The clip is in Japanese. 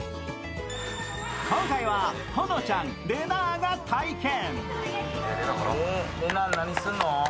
今回は保乃ちゃんれなぁが体験。